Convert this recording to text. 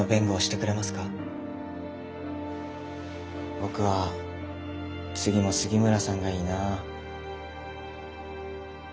僕は次も杉村さんがいいなあ。